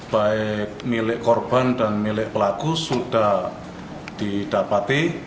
baik milik korban dan milik pelaku sudah didapati